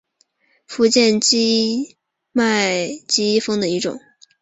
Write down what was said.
福建畸脉姬蜂的一种。